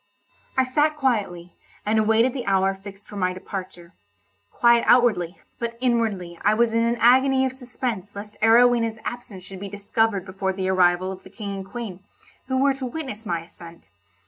I sat quietly, and awaited the hour fixed for my departure—quiet outwardly, but inwardly I was in an agony of suspense lest Arowhena's absence should be discovered before the arrival of the King and Queen, who were to witness my ascent.